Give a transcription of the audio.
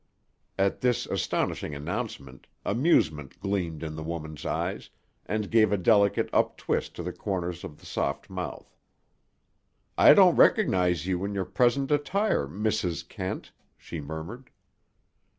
At this astonishing announcement, amusement gleamed in the woman's eyes, and gave a delicate up twist to the corners of the soft mouth. "I don't recognize you in your present attire, Mrs. Kent," she murmured.